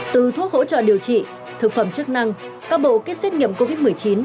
từ thuốc hỗ trợ điều trị thực phẩm chức năng các bộ kết xét nghiệm covid một mươi chín